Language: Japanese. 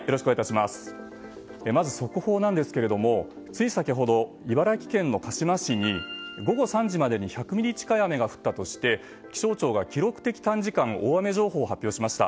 まず、速報なんですがつい先ほど茨城県の鹿嶋市に午後３時までに１００ミリ近い雨が降ったとして気象庁が記録的短時間大雨情報を発表しました。